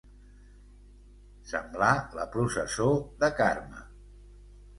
Semblar la processó de Carme.